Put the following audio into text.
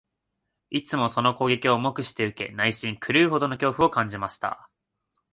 いつもその攻撃を黙して受け、内心、狂うほどの恐怖を感じました